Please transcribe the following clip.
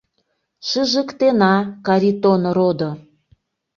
Шыжыктена, Каритон родо!..